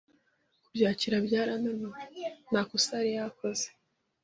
kubyakira byarananiye. Nta kosa yari yakoze